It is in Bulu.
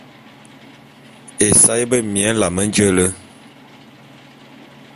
Esaé bemie nlame nje le.